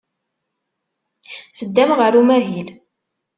Teddam ɣer umahil.